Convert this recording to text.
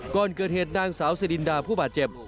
ก่อนเกิดเหตุนางสาวสิรินดาผู้บาดเจ็บ